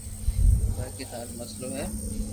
باقي ٿارو مسلئ ھي